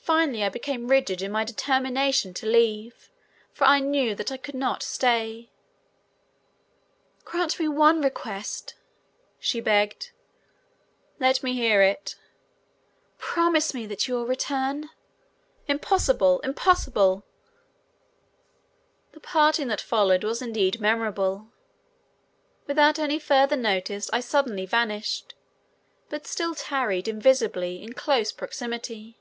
Finally I became rigid in my determination to leave, for I knew that I could not stay. "Grant me one request," she begged. "Let me hear it." "Promise me that you will return." "Impossible, impossible!" The parting that followed was indeed memorable. Without any further notice I suddenly vanished, but still tarried invisibly in close proximity.